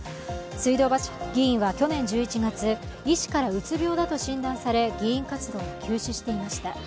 水道橋議員は去年１１月、医師からうつ病だと診断され、議員活動を休止していました。